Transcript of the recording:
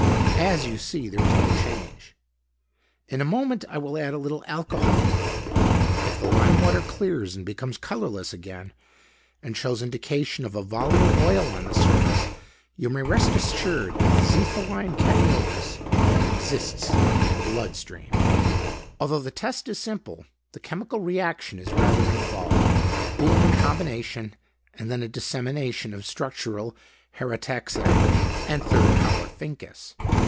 As you see, there is no change. In a moment, I will add a little alcohol. If the lime water clears and becomes colorless again, and shows indication of a volatile oil on the surface, you may rest assured that xetholine caniopus exists in the blood stream. Although the test is simple, the chemical reaction is rather involved, being a combination and then a dissemination of structural heraetixae and third power phincus.